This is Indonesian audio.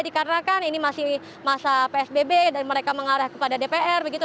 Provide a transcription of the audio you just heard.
dikarenakan ini masih masa psbb dan mereka mengarah kepada dpr begitu